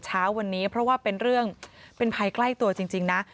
เช้าวันนี้เพราะว่าเป็นเรื่องเป็นภัยใกล้ตัวจริงนะ